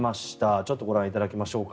ちょっとご覧いただきましょうか。